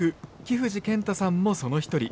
木藤健太さんもその一人。